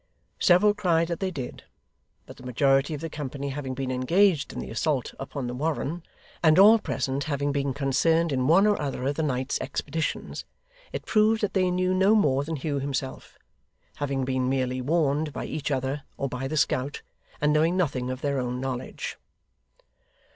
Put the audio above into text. Several cried that they did; but the majority of the company having been engaged in the assault upon the Warren, and all present having been concerned in one or other of the night's expeditions, it proved that they knew no more than Hugh himself; having been merely warned by each other, or by the scout, and knowing nothing of their own knowledge.